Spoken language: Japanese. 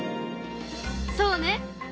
そうね。